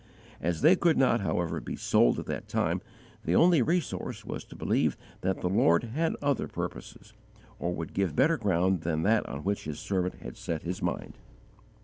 As they could not, however, be sold at that time, the only resource was to believe that the Lord had other purposes, or would give better ground than that on which His servant had set his mind.